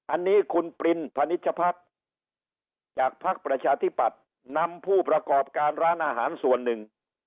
อันนี้คุณปรินพนิชพักจากภักดิ์ประชาธิปัตย์นำผู้ประกอบการร้านอาหารส่วนหนึ่ง